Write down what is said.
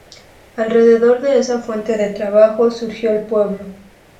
Alrededor de esa fuente de trabajo, surgió el pueblo.